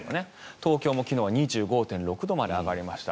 東京も昨日は２５．６度まで上がりました。